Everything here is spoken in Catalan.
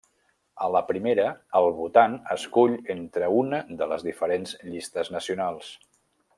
A la primera el votant escull entre una de les diferents llistes nacionals.